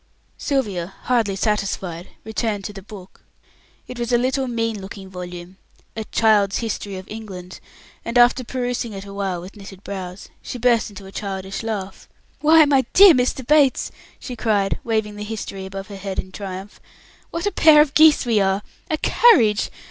Sylvia, hardly satisfied, returned to the book. It was a little mean looking volume a "Child's History of England" and after perusing it awhile with knitted brows, she burst into a childish laugh. "Why, my dear Mr. Bates!" she cried, waving the History above her head in triumph, "what a pair of geese we are! A carriage!